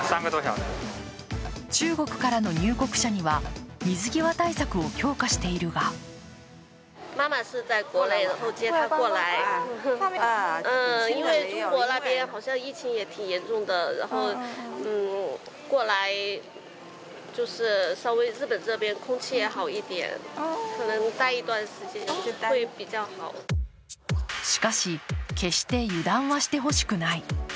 中国からの入国者には水際対策を強化しているがしかし、決して油断はしてほしくない。